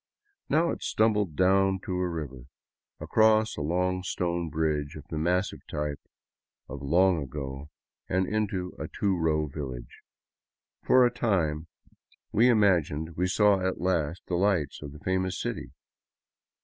Now it stumbled down to a river, across a long stone bridge of the massive type of long ago, and into a two row village. For a time we imagined we saw at last the lights of the famous city.